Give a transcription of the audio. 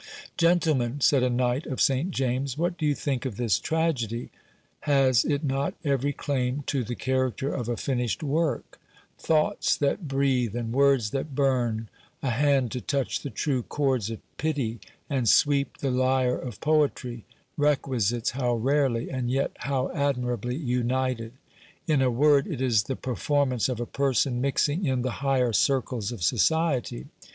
Gentlemen, said a knight of St James, what do you think of this tragedy ? Has it not every claim to the character of a finished work ? Thoughts that breathe, and words that burn, a hand to touch the true chords of pity, and sweep the lyre of poetry ; requisites how rarely, and yet how admirably united ! In a word, it is the performance of a person mixing in the higher circles of society.